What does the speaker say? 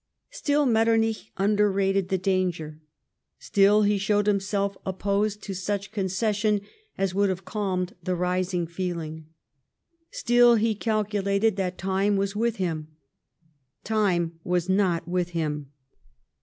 Still IMetternich under rated the danger. Still he showed himself opposed to such concession as would have calmed the rising feeling. Still he calculated that time was with him. Time was not with him.